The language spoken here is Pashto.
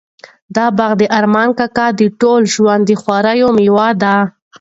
دا باغ د ارمان کاکا د ټول ژوند د خواریو مېوه ده.